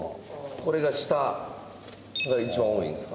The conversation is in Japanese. これが下が一番多いんですか？